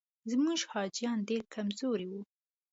زموږ حاجیان ډېر کمزوري وو.